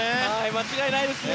間違いないですね。